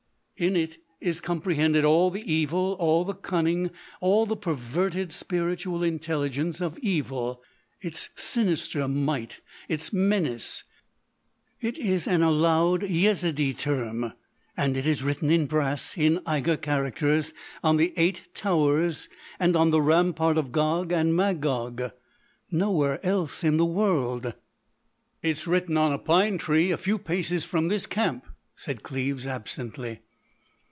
In it is comprehended all the evil, all the cunning, all the perverted spiritual intelligence of Evil,—its sinister might,—its menace. It is an Alouäd Yezidee term, and it is written in brass in Eighur characters on the Eight Towers, and on the Rampart of Gog and Magog;—nowhere else in the world!" "It is written on a pine tree a few paces from this camp," said Cleves absently.